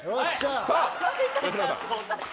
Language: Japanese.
さあ、吉村さん。